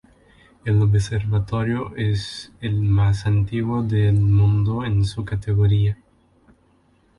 El observatorio es el más antiguo del mundo en su categoría.